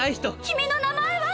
君の名前は！